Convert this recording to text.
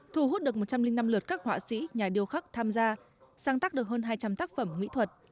thu hút được một trăm linh năm lượt các họa sĩ nhà điêu khắc tham gia sáng tác được hơn hai trăm linh tác phẩm mỹ thuật